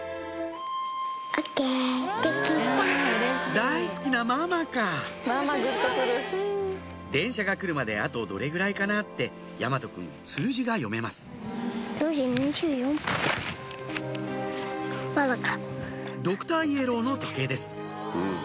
大好きなママか電車が来るまであとどれぐらいかなって大和くん数字が読めますドクターイエローの時計です